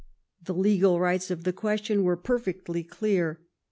'* The legal rights of the question were perfectly clear.